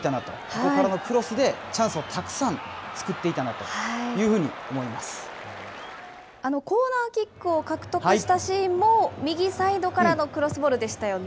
ここからのクロスでチャンスをたくさん作っていたなというふうにコーナーキックを獲得したシーンも、右サイドからのクロスボールでしたよね。